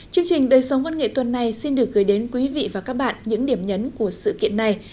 chương trình đời sống văn nghệ tuần này xin được gửi đến quý vị và các bạn những điểm nhấn của sự kiện này